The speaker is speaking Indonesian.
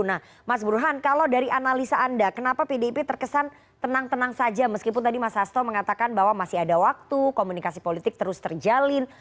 nah mas burhan kalau dari analisa anda kenapa pdip terkesan tenang tenang saja meskipun tadi mas hasto mengatakan bahwa masih ada waktu komunikasi politik terus terjalin